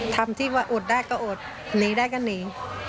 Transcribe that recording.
ทำที่ว่าอดได้ก็อดหนีได้ก็หนี